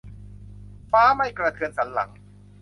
ฟ้าไม่กระเทือนสันหลัง